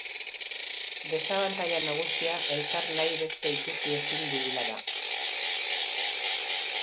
Desabantaila nagusia elkar nahi beste ikusi ezin dugula da.